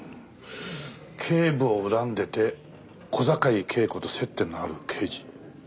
警部を恨んでて小坂井恵子と接点のある刑事。